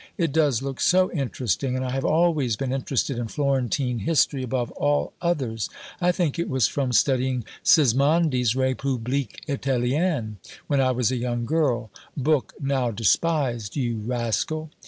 It does look so interesting, and I have always been interested in Florentine history above all others. I think it was from studying Sismondi's Républiques Italiennes when I was a young girl (book now despised you rascal!)